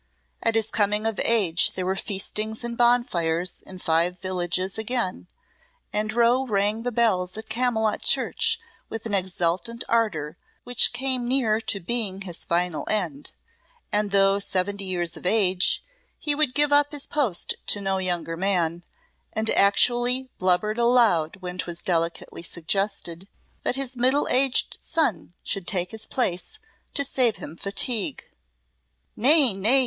At his coming of age there were feastings and bonfires in five villages again, and Rowe rang the bells at Camylott Church with an exultant ardour which came near to being his final end, and though seventy years of age, he would give up his post to no younger man, and actually blubbered aloud when 'twas delicately suggested that his middle aged son should take his place to save him fatigue. "Nay! nay!"